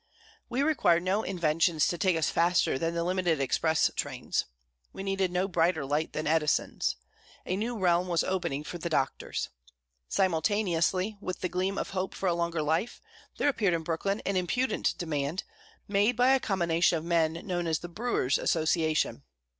We required no inventions to take us faster than the limited express trains. We needed no brighter light than Edison's. A new realm was opening for the doctors. Simultaneously, with the gleam of hope for a longer life, there appeared in Brooklyn an impudent demand, made by a combination of men known as the Brewers' Association.